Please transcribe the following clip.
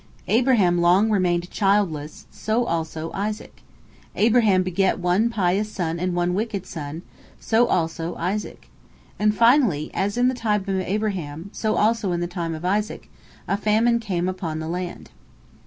Abraham long remained childless; so also Isaac. Abraham begot one pious son and one wicked son; so also Isaac. And, finally, as in the time of Abraham, so also in the time of Isaac, a famine came upon the land.